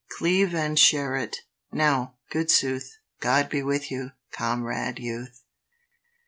Cleave and share it. Now, good sooth, God be with you, Comrade Youth!